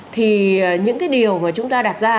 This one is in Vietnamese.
thì những cái điều mà chúng ta đặt ra